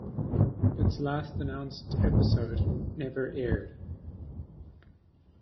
Its last announced episode never aired.